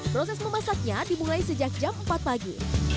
proses memasaknya dimulai sejak jam empat pagi